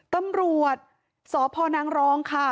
ตำรวจสพนรค่ะ